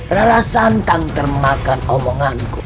rara santang termakan omonganku